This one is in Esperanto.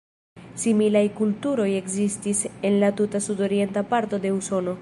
Similaj kulturoj ekzistis en la tuta sudorienta parto de Usono.